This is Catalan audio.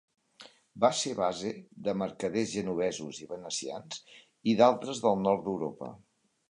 Va ser base de mercaders genovesos i venecians i d'altres del nord d'Europa.